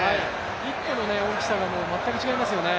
一歩の大きさが全く違いますよね。